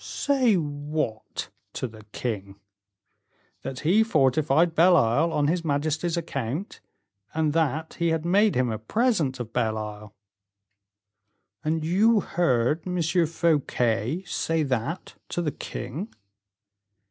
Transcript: "Say what to the king?" "That he fortified Belle Isle on his majesty's account, and that he had made him a present of Belle Isle." "And you heard M. Fouquet say that to the king?"